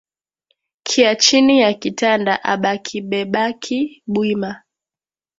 Kya chini ya kitanda abakibebaki bwima